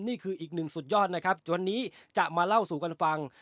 นี่คืออีกหนึ่งสุดยอดนะครับวันนี้จะมาเล่าสู่กันฟัง